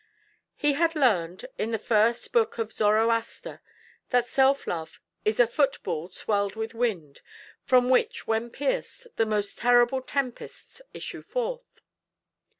He had learned, in the first book of Zoroaster, that self love is a football swelled with wind, from which, when pierced, the most terrible tempests issue forth.